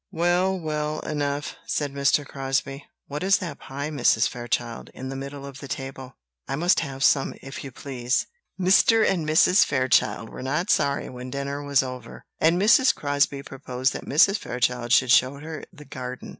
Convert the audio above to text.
"Well, well enough!" said Mr. Crosbie. "What is that pie, Mrs. Fairchild, in the middle of the table? I must have some, if you please." Mr. and Mrs. Fairchild were not sorry when dinner was over, and Mrs. Crosbie proposed that Mrs. Fairchild should show her the garden.